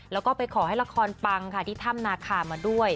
แล้วก็ไปขอให้ละครปังค่ะที่ถ้ำนาคามาด้วย